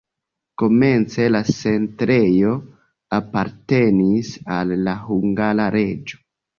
Komence la setlejo apartenis al la hungara reĝo.